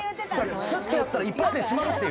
スッとやったら一発で閉まるっていう。